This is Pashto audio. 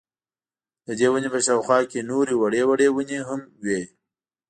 ددې وني په شاوخوا کي نوري وړې وړې وني هم وې